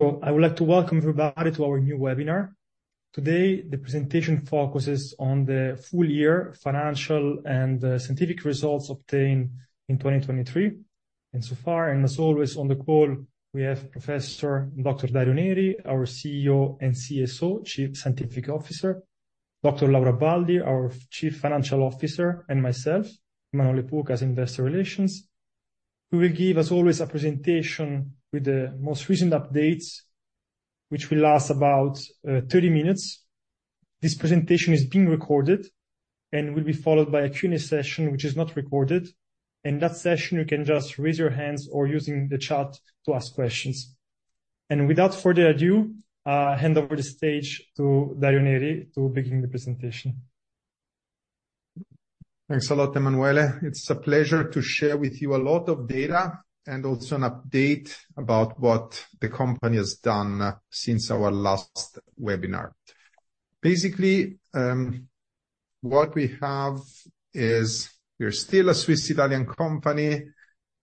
So I would like to welcome everybody to our new webinar. Today the presentation focuses on the full year financial and scientific results obtained in 2023. And so far, and as always on the call, we have Professor Dr. Dario Neri, our CEO and CSO, Chief Scientific Officer, Dr. Laura Baldi, our Chief Financial Officer, and myself, Emanuele Puca, as Investor Relations. Who will give, as always, a presentation with the most recent updates, which will last about 30 minutes. This presentation is being recorded, and will be followed by a Q&A session which is not recorded, and that session you can just raise your hands or using the chat to ask questions. Without further ado, hand over the stage to Dario Neri to begin the presentation. Thanks a lot, Emanuele. It's a pleasure to share with you a lot of data and also an update about what the company has done since our last webinar. Basically, what we have is we're still a Swiss-Italian company,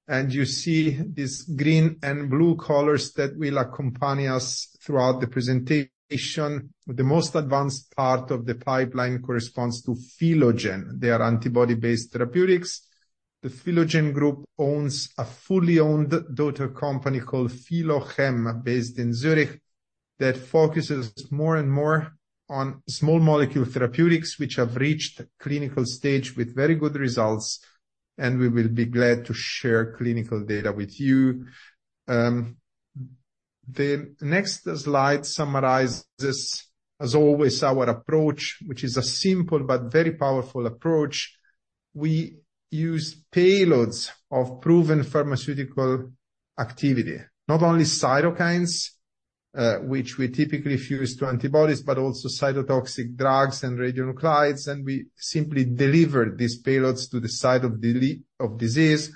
and you see these green and blue colors that will accompany us throughout the presentation. The most advanced part of the pipeline corresponds to Philogen. They are antibody-based therapeutics. The Philogen Group owns a fully owned daughter company called Philochem, based in Zurich, that focuses more and more on small molecule therapeutics which have reached clinical stage with very good results, and we will be glad to share clinical data with you. The next slide summarizes, as always, our approach, which is a simple but very powerful approach. We use payloads of proven pharmaceutical activity, not only cytokines, which we typically fuse to antibodies, but also cytotoxic drugs and radionuclides, and we simply deliver these payloads to the site of disease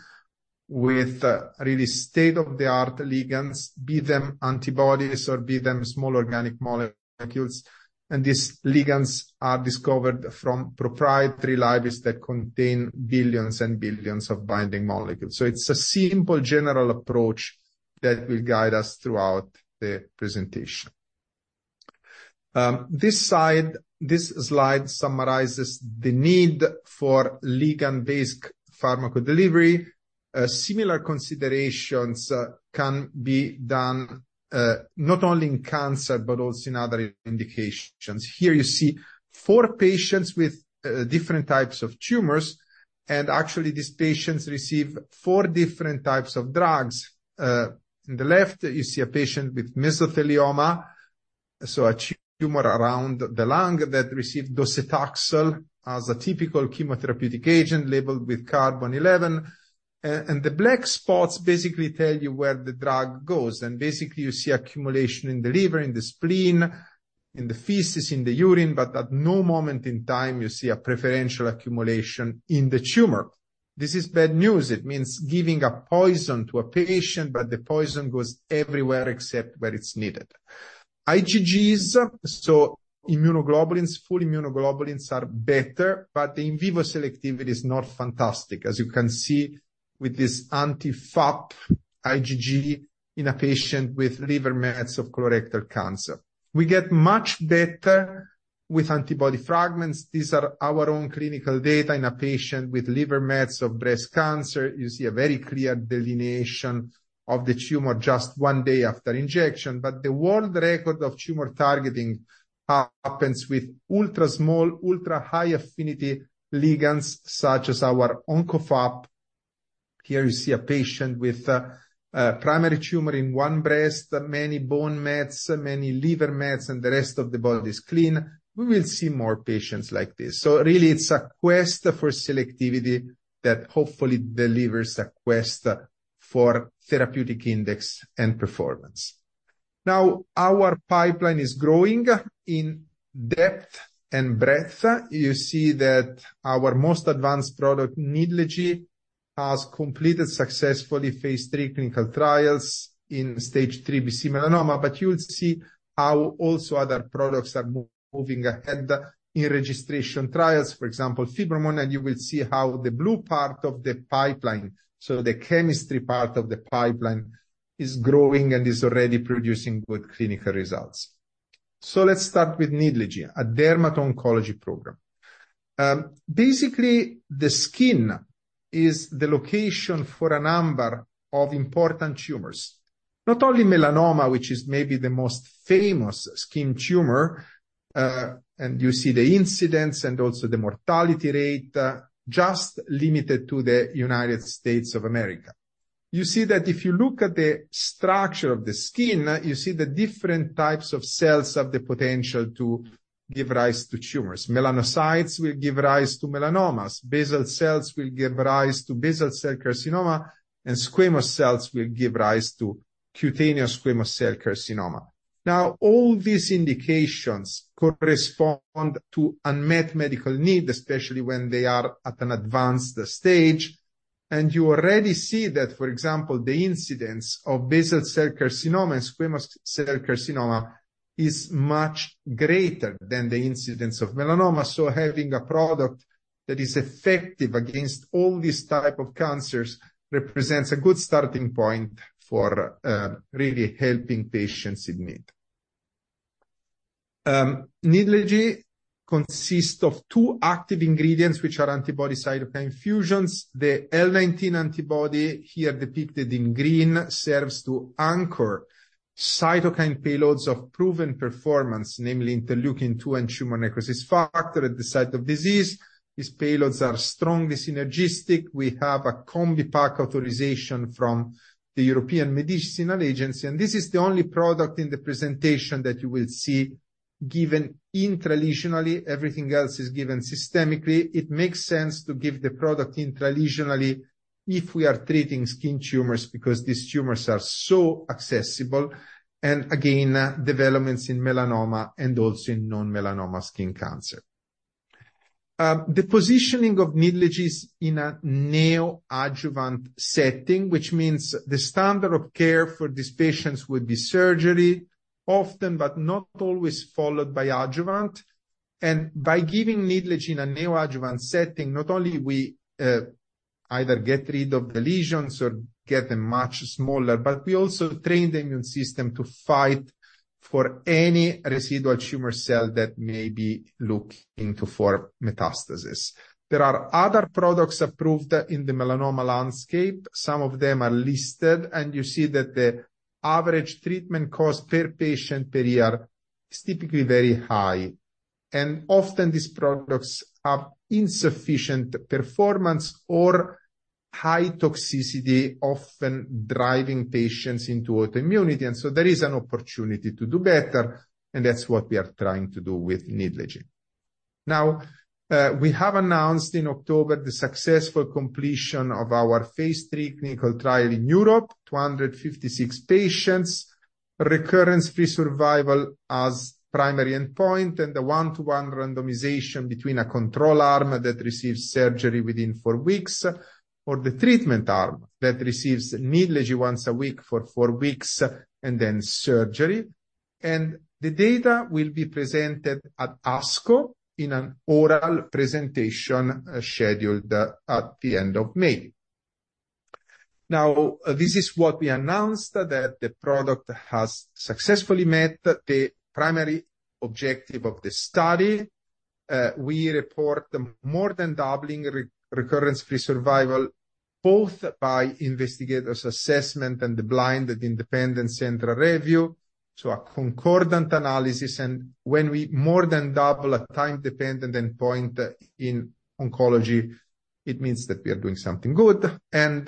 with really state-of-the-art ligands, be them antibodies or be them small organic molecules. And these ligands are discovered from proprietary libraries that contain billions and billions of binding molecules. So it's a simple general approach that will guide us throughout the presentation. This slide summarizes the need for ligand-based pharmacodelivery. Similar considerations can be done, not only in cancer but also in other indications. Here you see four patients with different types of tumors, and actually these patients receive four different types of drugs. In the left you see a patient with mesothelioma, so a tumor around the lung, that received docetaxel as a typical chemotherapeutic agent labeled with carbon-11. The black spots basically tell you where the drug goes, and basically you see accumulation in the liver, in the spleen, in the feces, in the urine, but at no moment in time you see a preferential accumulation in the tumor. This is bad news. It means giving a poison to a patient, but the poison goes everywhere except where it's needed. IgGs, so immunoglobulins, full immunoglobulins, are better, but the in vivo selectivity is not fantastic, as you can see with this anti-FAP IgG in a patient with liver metastasis of colorectal cancer. We get much better with antibody fragments. These are our own clinical data. In a patient with liver metastasis of breast cancer, you see a very clear delineation of the tumor just one day after injection, but the world record of tumor targeting happens with ultra-small, ultra-high affinity ligands such as our OncoFAP. Here you see a patient with primary tumor in one breast, many bone metastasis, many liver metastasis, and the rest of the body is clean. We will see more patients like this. So really it's a quest for selectivity that hopefully delivers a quest for therapeutic index and performance. Now our pipeline is growing in depth and breadth. You see that our most advanced product, Nidlegy, has completed successfully phase III clinical trials in stage III B/C melanoma, but you will see how also other products are moving ahead in registration trials. For example, Fibromun, you will see how the blue part of the pipeline, so the chemistry part of the pipeline, is growing and is already producing good clinical results. So let's start with Nidlegy, a dermat-oncology program. Basically, the skin is the location for a number of important tumors, not only melanoma, which is maybe the most famous skin tumor, and you see the incidence and also the mortality rate, just limited to the United States of America. You see that if you look at the structure of the skin, you see the different types of cells have the potential to give rise to tumors. Melanocytes will give rise to melanomas. Basal cells will give rise to basal cell carcinoma, and squamous cells will give rise to cutaneous squamous cell carcinoma. Now all these indications correspond to unmet medical needs, especially when they are at an advanced stage, and you already see that, for example, the incidence of basal cell carcinoma and squamous cell carcinoma is much greater than the incidence of melanoma, so having a product that is effective against all these types of cancers represents a good starting point for, really helping patients in need. Nidlegy consists of two active ingredients which are antibody-cytokine fusions. The L19 antibody, here depicted in green, serves to anchor cytokine payloads of proven performance, namely interleukin-2 and tumor necrosis factor at the site of disease. These payloads are strongly synergistic. We have a Combi-pack authorization from the European Medicines Agency, and this is the only product in the presentation that you will see given intralesionally. Everything else is given systemically. It makes sense to give the product intralesionally if we are treating skin tumors because these tumors are so accessible, and again, developments in melanoma and also in non-melanoma skin cancer. The positioning of Nidlegy is in a neoadjuvant setting, which means the standard of care for these patients would be surgery, often but not always followed by adjuvant. And by giving Nidlegy in a neoadjuvant setting, not only we, either get rid of the lesions or get them much smaller, but we also train the immune system to fight for any residual tumor cell that may be looking for metastasis. There are other products approved in the melanoma landscape. Some of them are listed, and you see that the average treatment cost per patient per year is typically very high. Often these products have insufficient performance or high toxicity, often driving patients into autoimmunity, and so there is an opportunity to do better, and that's what we are trying to do with Nidlegy. Now, we have announced in October the successful completion of our phase III clinical trial in Europe, 256 patients, recurrence-free survival as primary endpoint, and the 1:1 randomization between a control arm that receives surgery within four weeks or the treatment arm that receives Nidlegy once a week for four weeks and then surgery. The data will be presented at ASCO in an oral presentation scheduled at the end of May. Now, this is what we announced, that the product has successfully met the primary objective of the study. We report more than doubling recurrence-free survival, both by investigators' assessment and the blinded independent central review, so a concordant analysis. And when we more than double a time-dependent endpoint in oncology, it means that we are doing something good. And,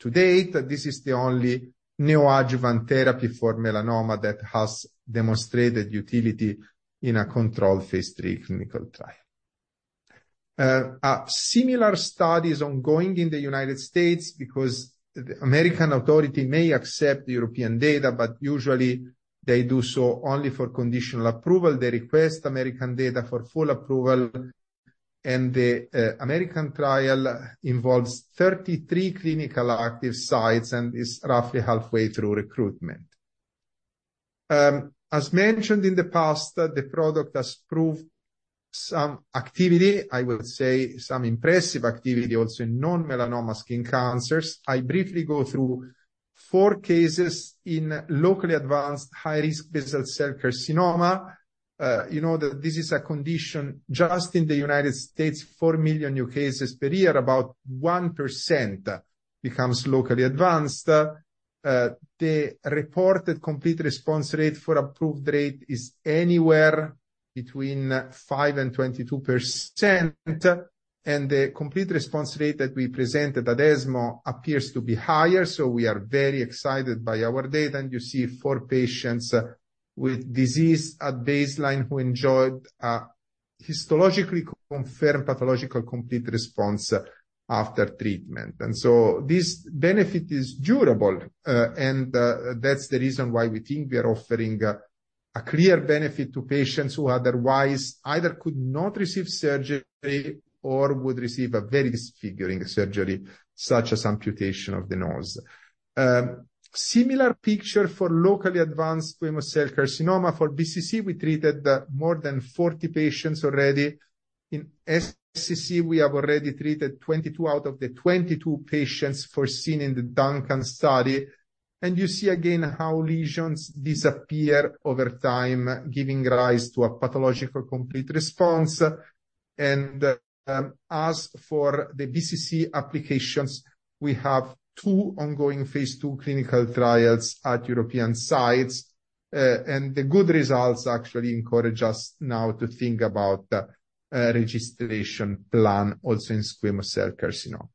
to date, this is the only neoadjuvant therapy for melanoma that has demonstrated utility in a controlled phase III clinical trial. A similar study is ongoing in the United States because the American authority may accept the European data, but usually they do so only for conditional approval. They request American data for full approval, and the American trial involves 33 clinical active sites and is roughly halfway through recruitment. As mentioned in the past, the product has proved some activity, I would say some impressive activity also in non-melanoma skin cancers. I briefly go through four cases in locally advanced high-risk basal cell carcinoma. You know that this is a condition just in the United States, 4 million new cases per year, about 1% becomes locally advanced. The reported complete response rate for approved rate is anywhere between 5% and 22%, and the complete response rate that we presented at ESMO appears to be higher, so we are very excited by our data. You see 4 patients with disease at baseline who enjoyed histologically confirmed pathological complete response after treatment. So this benefit is durable, and that's the reason why we think we are offering a clear benefit to patients who otherwise either could not receive surgery or would receive a very disfiguring surgery, such as amputation of the nose. Similar picture for locally advanced squamous cell carcinoma. For BCC, we treated more than 40 patients already. In SCC, we have already treated 22 out of the 22 patients foreseen in the Duncan study. You see again how lesions disappear over time, giving rise to a pathological complete response. As for the BCC applications, we have 2 ongoing phase II clinical trials at European sites, and the good results actually encourage us now to think about a registration plan also in squamous cell carcinoma.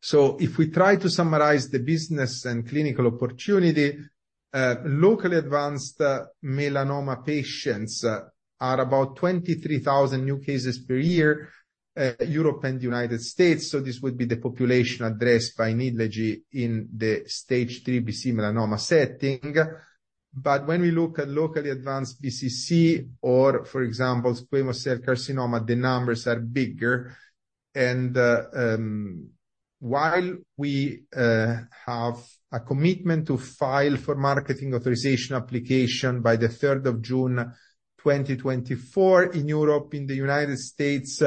So if we try to summarize the business and clinical opportunity, locally advanced melanoma patients are about 23,000 new cases per year, Europe and the United States, so this would be the population addressed by Nidlegy in the stage IIIBC melanoma setting. But when we look at locally advanced BCC or, for example, squamous cell carcinoma, the numbers are bigger. And while we have a commitment to file for marketing authorization application by the 3rd of June 2024 in Europe, in the United States,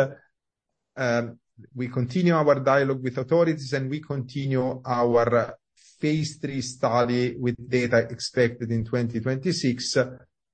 we continue our dialogue with authorities and we continue our phase III study with data expected in 2026.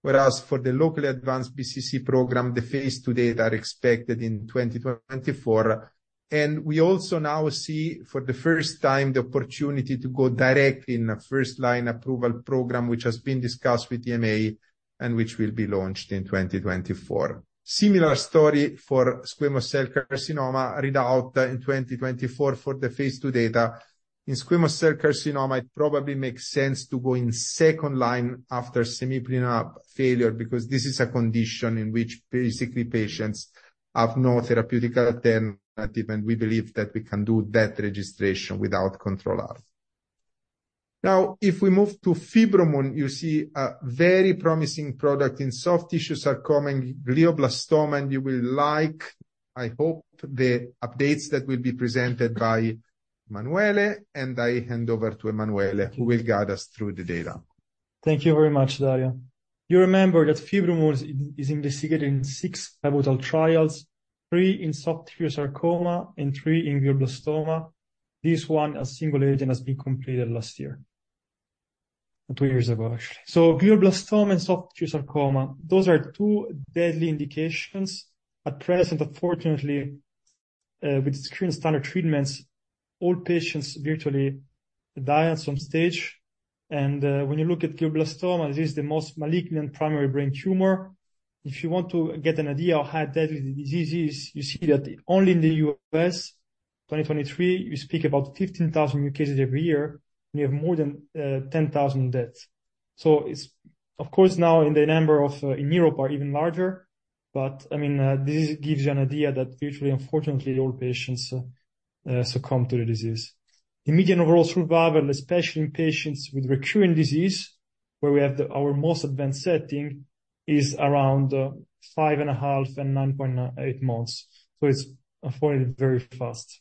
Whereas for the locally advanced BCC program, the phase II data are expected in 2024. We also now see for the first time the opportunity to go directly in a first-line approval program which has been discussed with the MA and which will be launched in 2024. Similar story for squamous cell carcinoma, readout in 2024 for the phase II data. In squamous cell carcinoma, it probably makes sense to go in second line after cemiplimab failure because this is a condition in which basically patients have no therapeutic alternative, and we believe that we can do that registration without control arm. Now, if we move to Fibromun, you see a very promising product. In soft tissue sarcoma and glioblastoma, and you will like, I hope, the updates that will be presented by Emanuele, and I hand over to Emanuele who will guide us through the data. Thank you very much, Dario. You remember that Fibromun is investigated in six pivotal trials, three in soft tissue sarcoma and three in glioblastoma. This one, a single agent, has been completed last year, two years ago, actually. So glioblastoma and soft tissue sarcoma, those are two deadly indications. At present, unfortunately, with current standard treatments, all patients virtually die at some stage. And when you look at glioblastoma, this is the most malignant primary brain tumor. If you want to get an idea of how deadly the disease is, you see that only in the U.S., 2023, you speak about 15,000 new cases every year, and you have more than 10,000 deaths. So it's, of course, now the numbers in Europe are even larger, but I mean, this gives you an idea that virtually, unfortunately, all patients succumb to the disease. The median overall survival, especially in patients with recurring disease where we have our most advanced setting, is around 5.5 and 9.8 months. So it's unfortunately very fast.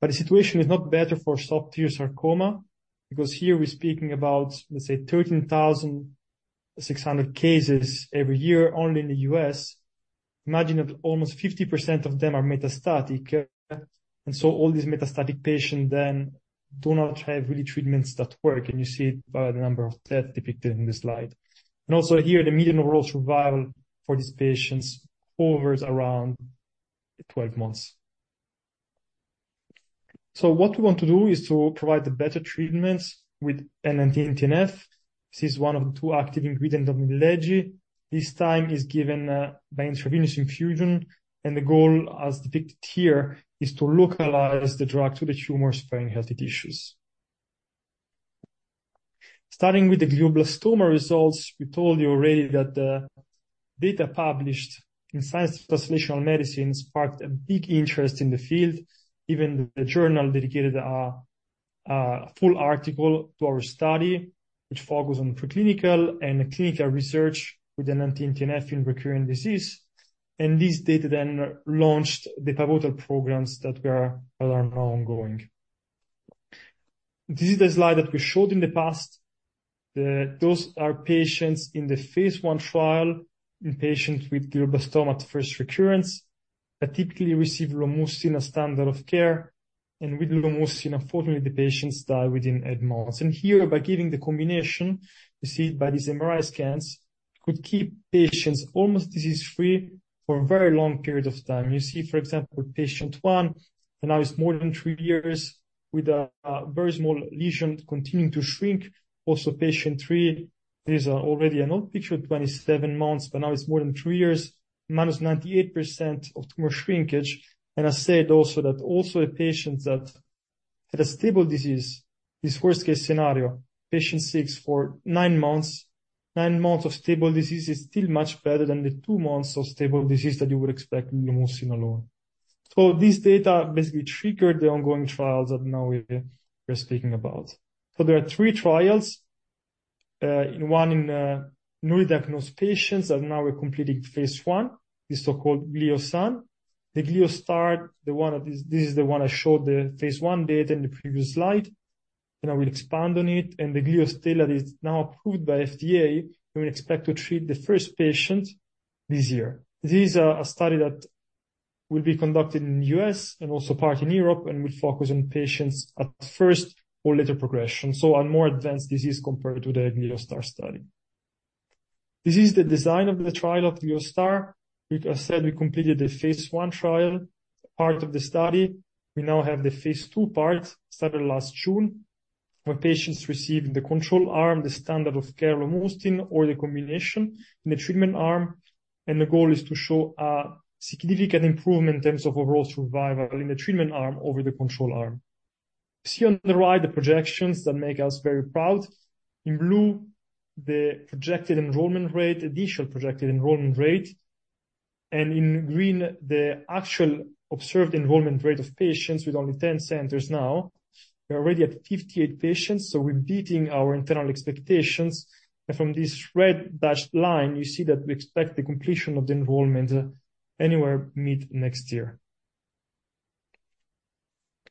But the situation is not better for soft tissue sarcoma because here we're speaking about, let's say, 13,600 cases every year only in the U.S. Imagine that almost 50% of them are metastatic, and so all these metastatic patients then do not have really treatments that work, and you see it by the number of deaths depicted in this slide. And also here, the median overall survival for these patients hovers around 12 months. So what we want to do is to provide the better treatments with L19-TNF. This is one of the two active ingredients of Nidlegy. This time is given by intravenous infusion, and the goal, as depicted here, is to localize the drug to the tumor sparing healthy tissues. Starting with the glioblastoma results, we told you already that the data published in Science Translational Medicine sparked a big interest in the field. Even the journal dedicated a full article to our study, which focused on preclinical and clinical research with L19TNF in recurring disease. This data then launched the pivotal programs that are now ongoing. This is the slide that we showed in the past. Those are patients in the phase I trial, in patients with glioblastoma at first recurrence that typically receive Lomustine as standard of care, and with Lomustine, unfortunately, the patients die within eight months. Here, by giving the combination, you see it by these MRI scans, could keep patients almost disease-free for a very long period of time. You see, for example, patient one, and now it's more than three years with a very small lesion continuing to shrink. Also, patient 3, this is already an old picture, 27 months, but now it's more than 3 years, minus 98% of tumor shrinkage. I said also that also a patient that had a stable disease, this worst-case scenario, patient 6 for 9 months, 9 months of stable disease is still much better than the 2 months of stable disease that you would expect with lomustine alone. So this data basically triggered the ongoing trials that now we are speaking about. So there are 3 trials. One in newly diagnosed patients that now are completing phase I, the so-called Gliosan. The Gliostar, the one that is this is the one I showed the phase I data in the previous slide, and I will expand on it. And the Gliostela that is now approved by FDA, we expect to treat the first patients this year. This is a study that will be conducted in the U.S. and also part in Europe, and will focus on patients at first or later progression, so on more advanced disease compared to the Gliostar study. This is the design of the trial of Gliostar. As I said, we completed the phase I trial, part of the study. We now have the phase II part started last June, where patients receive in the control arm the standard of care Lomustine or the combination in the treatment arm, and the goal is to show a significant improvement in terms of overall survival in the treatment arm over the control arm. You see on the right the projections that make us very proud. In blue, the projected enrollment rate, initial projected enrollment rate. And in green, the actual observed enrollment rate of patients with only 10 centers now. We're already at 58 patients, so we're beating our internal expectations. And from this red dashed line, you see that we expect the completion of the enrollment anywhere mid-next year.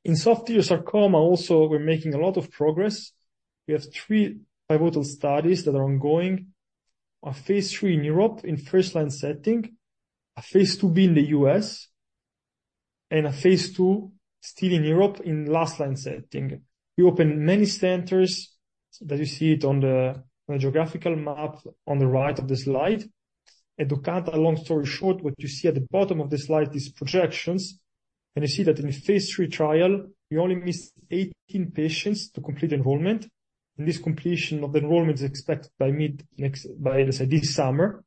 In soft tissue sarcoma, also we're making a lot of progress. We have 3 pivotal studies that are ongoing, a phase III in Europe in first-line setting, a phase IIB in the U.S., and a phase II still in Europe in last-line setting. We opened many centers that you see it on the geographical map on the right of the slide. And to cut a long story short, what you see at the bottom of the slide is projections, and you see that in phase III trial, we only missed 18 patients to complete enrollment, and this completion of the enrollment is expected by mid-next by, let's say, this summer.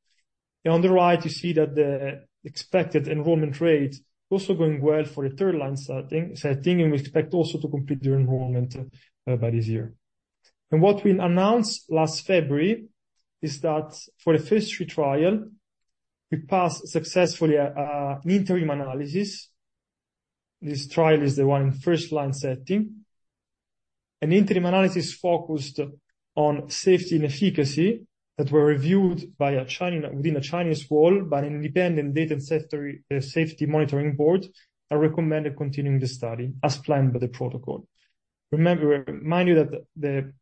On the right, you see that the expected enrollment rate is also going well for the third-line setting, and we expect also to complete their enrollment by this year. What we announced last February is that for the phase III trial, we passed successfully an interim analysis. This trial is the one in first-line setting. An interim analysis focused on safety and efficacy that was reviewed within a Chinese wall by an independent data and safety monitoring board and recommended continuing the study as planned by the protocol. Let me remind you that the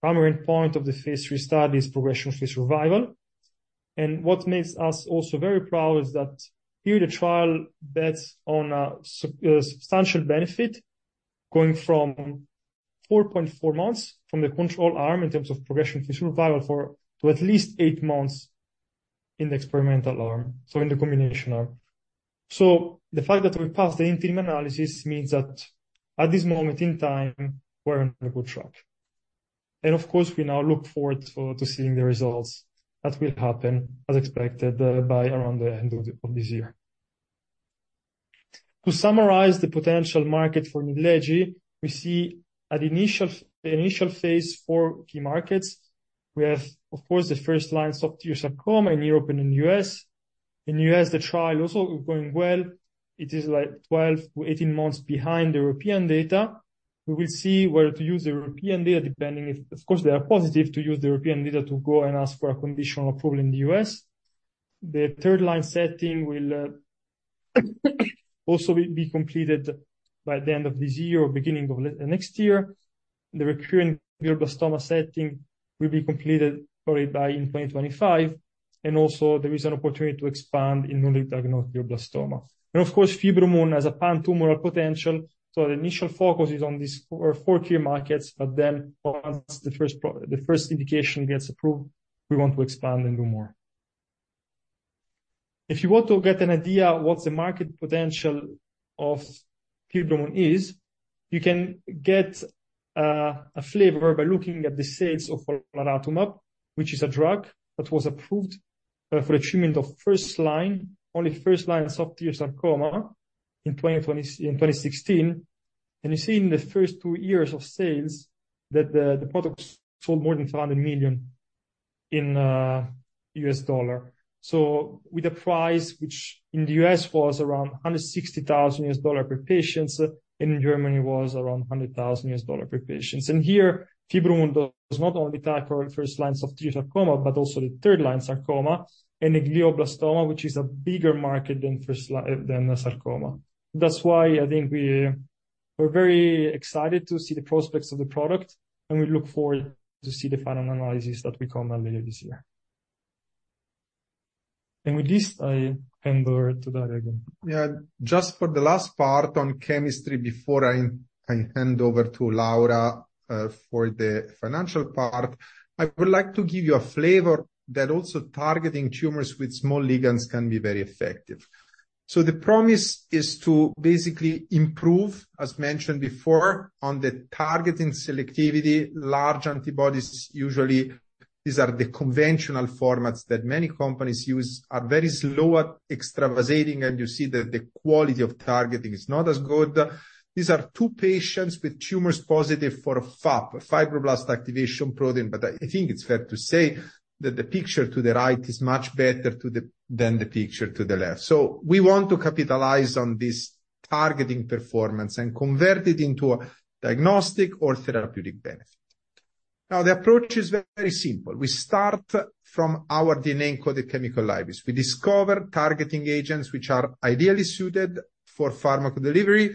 primary endpoint of the phase III study is progression-free survival. What makes us also very proud is that here the trial is based on a substantial benefit going from 4.4 months from the control arm in terms of progression-free survival to at least 8 months in the experimental arm, so in the combination arm. The fact that we passed the interim analysis means that at this moment in time, we're on a good track. Of course, we now look forward to seeing the results that will happen, as expected, by around the end of this year. To summarize the potential market for Nidlegy, we see an initial phase IV key markets. We have, of course, the first-line soft tissue sarcoma in Europe and in the U.S. In the U.S., the trial also is going well. It is like 12-18 months behind the European data. We will see whether to use the European data depending if, of course, they are positive to use the European data to go and ask for a conditional approval in the U.S. The third-line setting will also be completed by the end of this year or beginning of next year. The recurrent glioblastoma setting will be completed by in 2025, and also there is an opportunity to expand in newly diagnosed glioblastoma. Of course, Fibromun has a pan-tumoral potential, so the initial focus is on these four key markets, but then once the first indication gets approved, we want to expand and do more. If you want to get an idea of what the market potential of Fibromun is, you can get a flavor by looking at the sales of olaratumab, which is a drug that was approved for the treatment of first-line, only first-line soft tissue sarcoma in 2016. You see in the first two years of sales that the product sold more than $500 million in US dollars. With a price which in the US was around $160,000 per patient, and in Germany it was around $100,000 per patient. Here, Fibromun does not only tackle first-line soft tissue sarcoma, but also the third-line sarcoma and the glioblastoma, which is a bigger market than first-line sarcoma. That's why I think we're very excited to see the prospects of the product, and we look forward to see the final analysis that will come later this year. With this, I hand over to Dario again. Yeah, just for the last part on chemistry before I hand over to Laura for the financial part, I would like to give you a flavor that also targeting tumors with small ligands can be very effective. So the promise is to basically improve, as mentioned before, on the targeting selectivity. Large antibodies, usually these are the conventional formats that many companies use, are very slow at extravasating, and you see that the quality of targeting is not as good. These are two patients with tumors positive for FAP, Fibroblast Activation Protein, but I think it's fair to say that the picture to the right is much better than the picture to the left. So we want to capitalize on this targeting performance and convert it into a diagnostic or therapeutic benefit. Now, the approach is very simple. We start from our DNA-encoded chemical library. We discover targeting agents which are ideally suited for pharmaco delivery,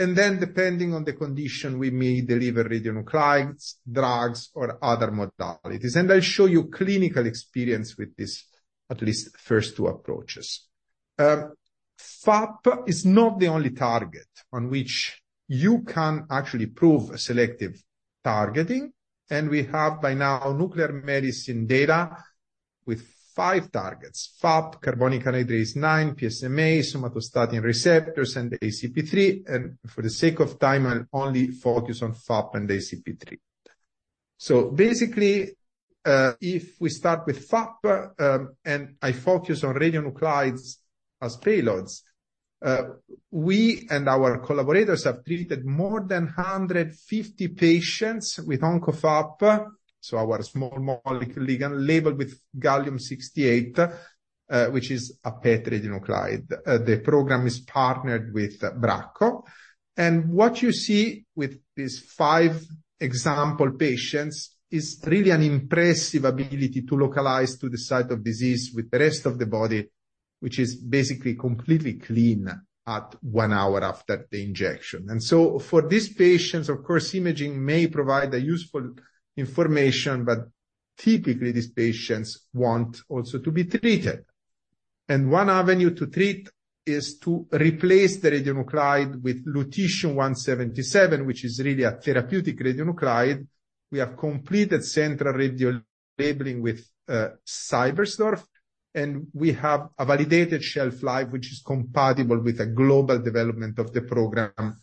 and then depending on the condition, we may deliver radionuclides, drugs, or other modalities. I'll show you clinical experience with these at least first two approaches. FAP is not the only target on which you can actually prove selective targeting, and we have by now nuclear medicine data with five targets: FAP, carbonic anhydrase 9, PSMA, somatostatin receptors, and ACP3. For the sake of time, I'll only focus on FAP and ACP3. So basically, if we start with FAP and I focus on radionuclides as payloads, we and our collaborators have treated more than 150 patients with OncoFAP, so our small molecule ligand labeled with gallium-68, which is a PET radionuclide. The program is partnered with Bracco. What you see with these five example patients is really an impressive ability to localize to the site of disease with the rest of the body, which is basically completely clean at one hour after the injection. So for these patients, of course, imaging may provide useful information, but typically these patients want also to be treated. One avenue to treat is to replace the radionuclide with Lutetium-177, which is really a therapeutic radionuclide. We have completed central radio labeling with Cyberstorff, and we have a validated shelf life, which is compatible with the global development of the program,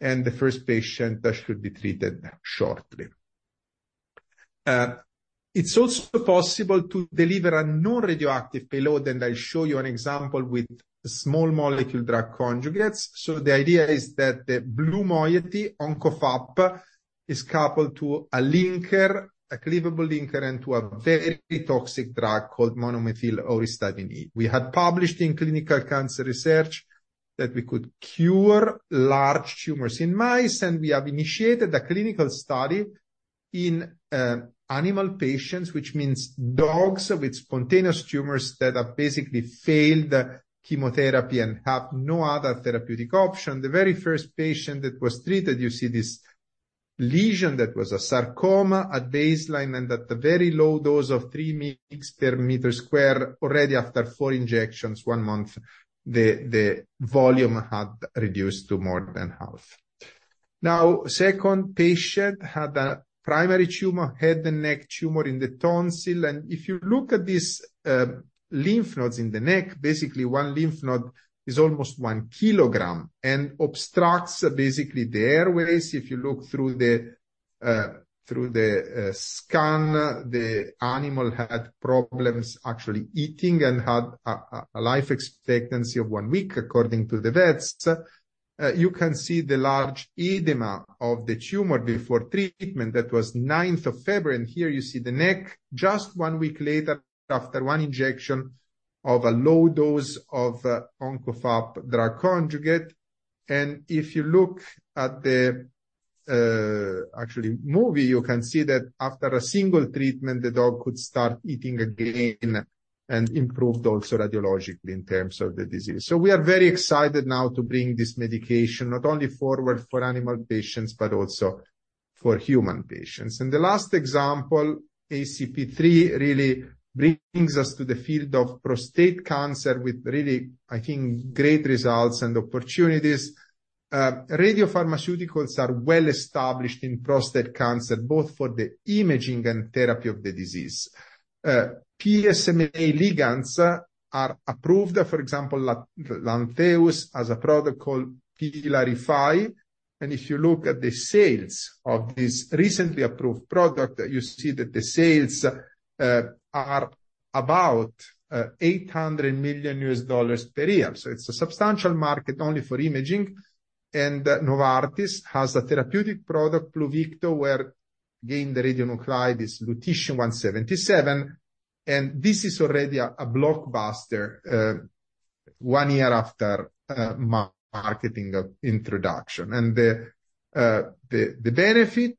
and the first patient should be treated shortly. It's also possible to deliver a non-radioactive payload, and I'll show you an example with small molecule drug conjugates. So the idea is that the blue moiety, OncoFAP, is coupled to a linker, a cleavable linker, and to a very toxic drug called monomethyl auristatin E. We had published in Clinical Cancer Research that we could cure large tumors in mice, and we have initiated a clinical study in animal patients, which means dogs with spontaneous tumors that have basically failed chemotherapy and have no other therapeutic option. The very first patient that was treated, you see this lesion that was a sarcoma at baseline and at the very low dose of 3 micrograms per square meter. Already after four injections, one month, the volume had reduced to more than half. Now, the second patient had a primary tumor, head and neck tumor in the tonsil. And if you look at these lymph nodes in the neck, basically one lymph node is almost 1 kilogram and obstructs basically the airways. If you look through the scan, the animal had problems actually eating and had a life expectancy of one week, according to the vets. You can see the large edema of the tumor before treatment that was 9th of February. Here you see the neck just one week later after one injection of a low dose of OncoFAP drug conjugate. If you look at the actual movie, you can see that after a single treatment, the dog could start eating again and improved also radiologically in terms of the disease. We are very excited now to bring this medication not only forward for animal patients, but also for human patients. The last example, ACP3, really brings us to the field of prostate cancer with really, I think, great results and opportunities. Radiopharmaceuticals are well established in prostate cancer, both for the imaging and therapy of the disease. PSMA ligands are approved, for example, Lantheus as a product called Pylarify. If you look at the sales of this recently approved product, you see that the sales are about $800 million per year. It's a substantial market only for imaging. Novartis has a therapeutic product, Pluvicto, where again the radionuclide is Lutetium-177. This is already a blockbuster one year after marketing introduction. The benefit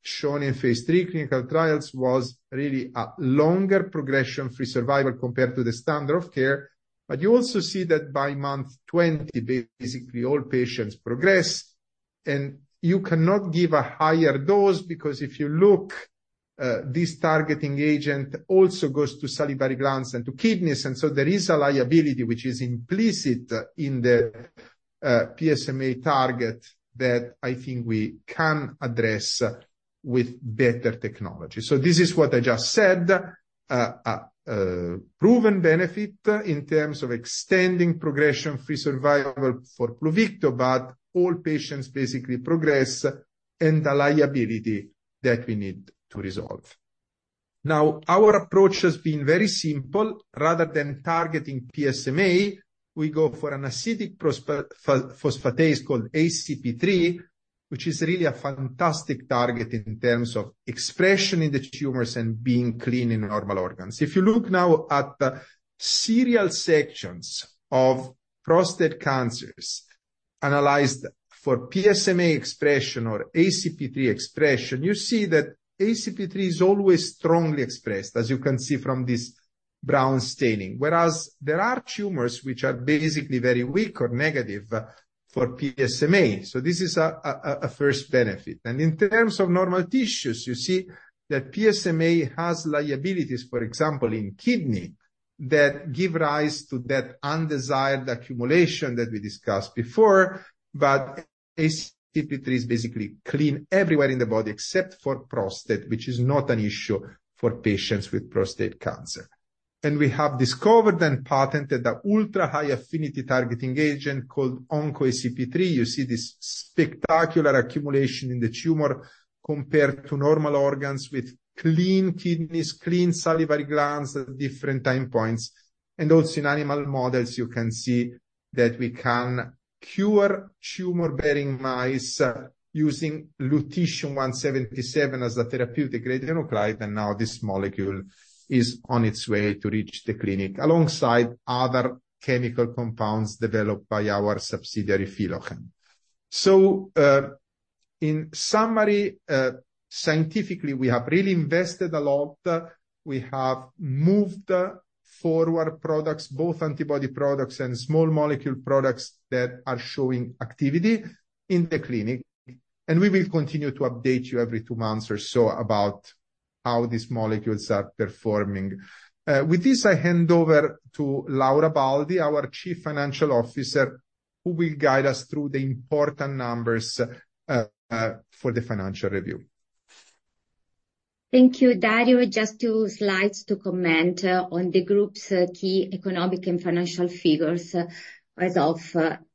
shown in phase III clinical trials was really a longer progression-free survival compared to the standard of care. You also see that by month 20, basically all patients progress, and you cannot give a higher dose because if you look, this targeting agent also goes to salivary glands and to kidneys. So there is a liability which is implicit in the PSMA target that I think we can address with better technology. So this is what I just said, a proven benefit in terms of extending progression-free survival for Pluvicto, but all patients basically progress and the liability that we need to resolve. Now, our approach has been very simple. Rather than targeting PSMA, we go for an acid phosphatase called ACP3, which is really a fantastic target in terms of expression in the tumors and being clean in normal organs. If you look now at the serial sections of prostate cancers analyzed for PSMA expression or ACP3 expression, you see that ACP3 is always strongly expressed, as you can see from this brown staining, whereas there are tumors which are basically very weak or negative for PSMA. So this is a first benefit. In terms of normal tissues, you see that PSMA has liabilities, for example, in kidney that give rise to that undesired accumulation that we discussed before. But ACP3 is basically clean everywhere in the body except for prostate, which is not an issue for patients with prostate cancer. We have discovered and patented the ultra-high affinity targeting agent called OncoACP3. You see this spectacular accumulation in the tumor compared to normal organs with clean kidneys, clean salivary glands at different time points. Also in animal models, you can see that we can cure tumor-bearing mice using Lutetium-177 as a therapeutic radionuclide. Now this molecule is on its way to reach the clinic alongside other chemical compounds developed by our subsidiary Philochem. In summary, scientifically, we have really invested a lot. We have moved forward products, both antibody products and small molecule products that are showing activity in the clinic. We will continue to update you every two months or so about how these molecules are performing. With this, I hand over to Laura Baldi, our Chief Financial Officer, who will guide us through the important numbers for the financial review. Thank you, Dario. Just two slides to comment on the group's key economic and financial figures as of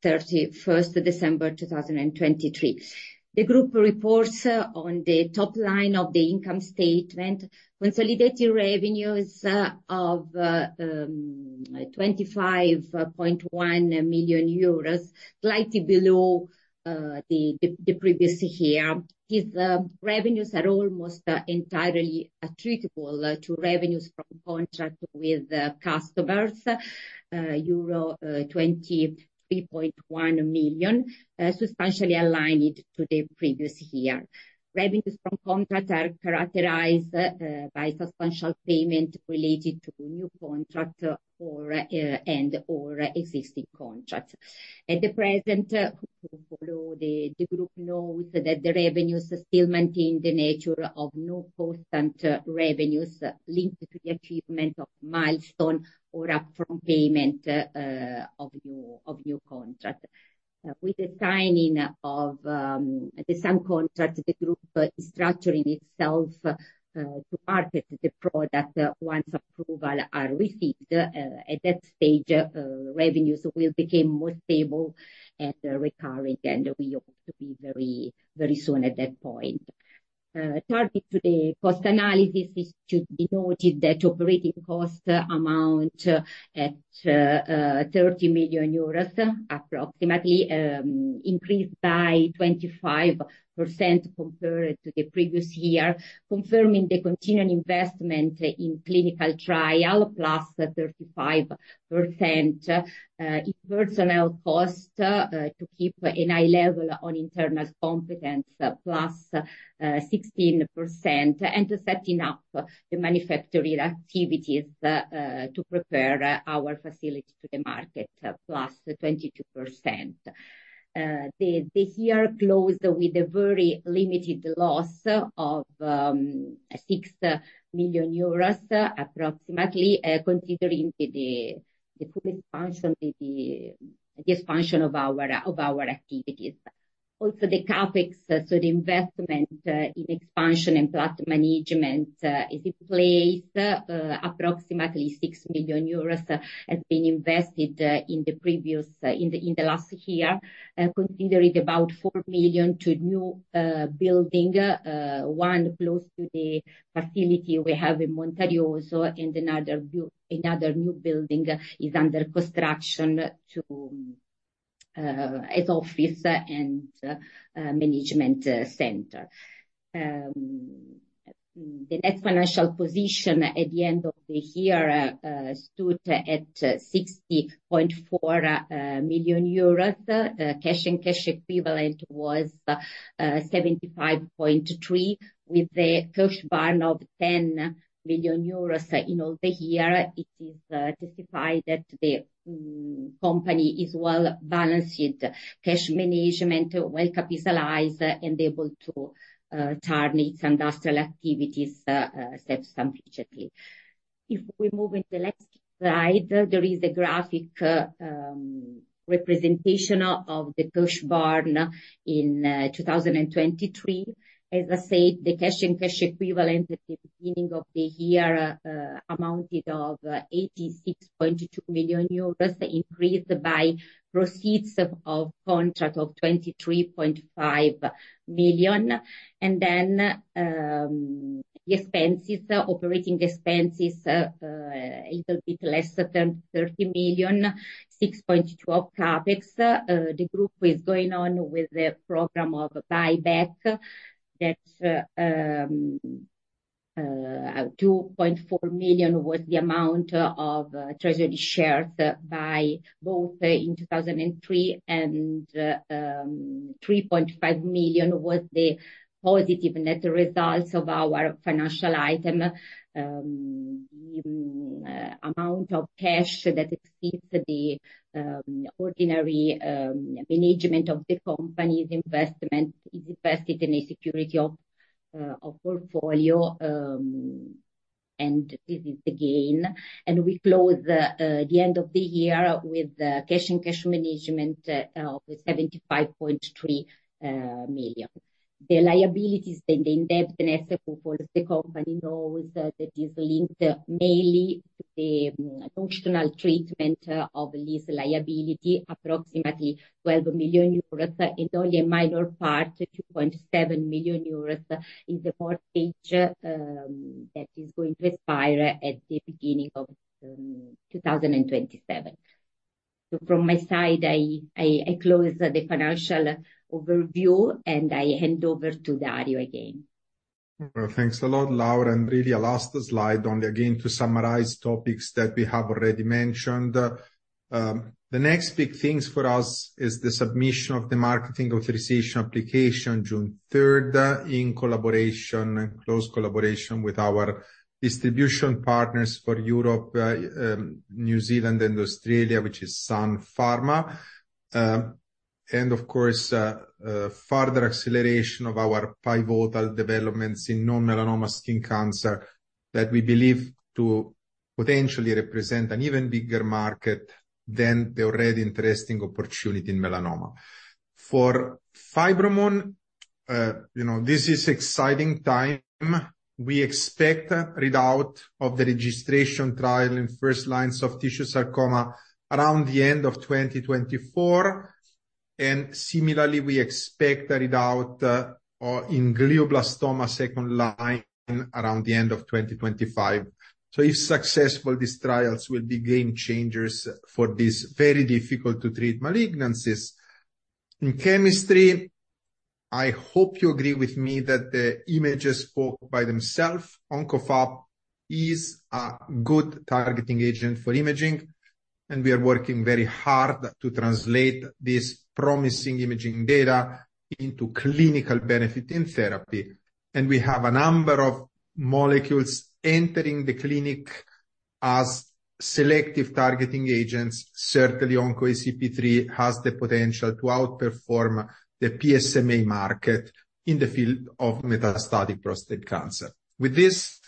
31st December 2023. The group reports on the top line of the income statement consolidated revenues of 25.1 million euros, slightly below the previous year. These revenues are almost entirely attributable to revenues from contract with customers, euro 23.1 million, substantially aligned to the previous year. Revenues from contract are characterized by substantial payment related to new contract and/or existing contracts. At the present, those who follow the group know that the revenues still maintain the nature of non-constant revenues linked to the achievement of milestone or upfront payment of new contracts. With the signing of the same contract, the group is structuring itself to market the product once approval is received. At that stage, revenues will become more stable and recurring, and we hope to be very soon at that point. Turning to the cost analysis, it should be noted that operating cost amount at 30 million euros approximately increased by 25% compared to the previous year, confirming the continued investment in clinical trial plus 35% in personnel cost to keep a high level on internal competence plus 16%, and to setting up the manufacturing activities to prepare our facility to the market plus 22%. The year closed with a very limited loss of EUR 6 million approximately, considering the full expansion of our activities. Also, the CapEx, so the investment in expansion and plant management, is in place. Approximately 6 million euros has been invested in the previous in the last year, considering about 4 million to new building, one close to the facility we have in Monteriggioni, and another new building is under construction as an office and management center. The net financial position at the end of the year stood at EUR 60.4 million. Cash and cash equivalent was 75.3 million. With a cash burden of 10 million euros in all the year, it is testified that the company is well-balanced in cash management, well-capitalized, and able to target its industrial activities substantially. If we move to the next slide, there is a graphic representation of the cash burden in 2023. As I said, the cash and cash equivalent at the beginning of the year amounted to 86.2 million euros, increased by proceeds of contract of 23.5 million. Then the expenses, operating expenses, a little bit less than 30 million, 6.2% of CapEx. The group is going on with the program of buyback, that 2.4 million was the amount of treasury shares bought in 2023, and 3.5 million was the positive net results of our financial item. The amount of cash that exceeds the ordinary management of the company's investment is invested in a security of portfolio, and this is the gain. And we close the end of the year with cash and cash management of 75.3 million. The liabilities and the indebtedness of all the company knows that is linked mainly to the notional treatment of this liability, approximately 12 million euros, and only a minor part, 2.7 million euros, is the mortgage that is going to expire at the beginning of 2027. So from my side, I close the financial overview, and I hand over to Dario again. Thanks a lot, Laura. And really, I'll ask the slide only again to summarize topics that we have already mentioned. The next big things for us is the submission of the marketing authorization application June 3rd in collaboration, close collaboration with our distribution partners for Europe, New Zealand, and Australia, which is Sun Pharma. And of course, further acceleration of our pivotal developments in non-melanoma skin cancer that we believe to potentially represent an even bigger market than the already interesting opportunity in melanoma. For Fibromun, this is an exciting time. We expect a readout of the registration trial in first-line soft tissue sarcoma around the end of 2024. And similarly, we expect a readout in second-line glioblastoma around the end of 2025. So if successful, these trials will be game changers for these very difficult-to-treat malignancies. In chemistry, I hope you agree with me that the images spoke by themselves. OncoFAP is a good targeting agent for imaging, and we are working very hard to translate this promising imaging data into clinical benefit in therapy. We have a number of molecules entering the clinic as selective targeting agents. Certainly, OncoACP3 has the potential to outperform the PSMA market in the field of metastatic prostate cancer. With this,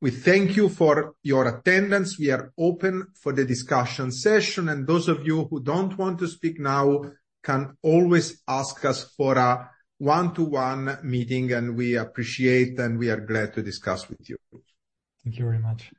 we thank you for your attendance. We are open for the discussion session. Those of you who don't want to speak now can always ask us for a one-to-one meeting, and we appreciate and we are glad to discuss with you. Thank you very much.